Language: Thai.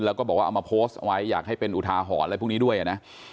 แล้วก็บอกว่าเอามาโพสต์ไว้อยากให้เป็นอุทาหรณ์อะไรพวกนี้ด้วยนะ